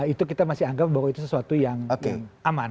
itu kita masih anggap bahwa itu sesuatu yang aman